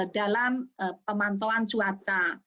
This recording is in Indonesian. dalam pemantauan cuaca